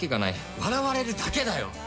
笑われるだけだよ。